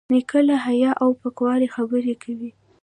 نیکه له حیا او پاکوالي خبرې کوي.